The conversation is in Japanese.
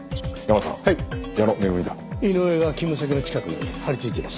井上が勤務先の近くに張りついています。